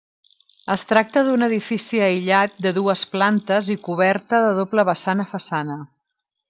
Es tracta d'un edifici aïllat de dues plantes i coberta de doble vessant a façana.